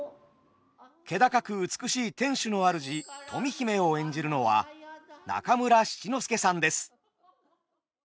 気高く美しい天守の主富姫を演じるのは中村七之助さんです。